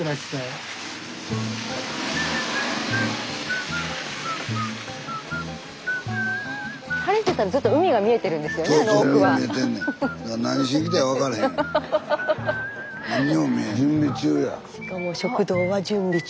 スタジオしかも食堂は準備中。